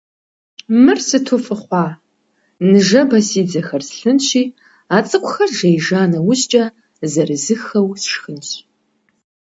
Мыр сыту фӀы хъуа! Ныжэбэ си дзэхэр слъынщи, а цӀыкӀухэр жеижа нэужькӀэ, зэрызыххэу сшхынщ.